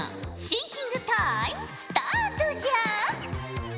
シンキングタイムスタートじゃ！